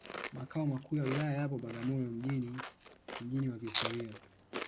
Makao Makuu ya Wilaya yapo Bagamoyo mjini mji wa kihistoria